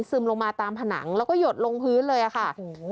ลงมาตามผนังแล้วก็หยดลงพื้นเลยอะค่ะ